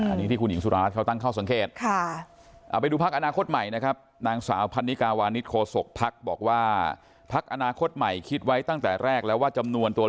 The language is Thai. อันนี้ที่คุณหญิงสุราชเขาตั้งข้อสังเกต